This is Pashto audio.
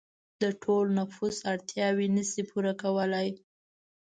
د ټول نفوس اړتیاوې نشي پوره کولای.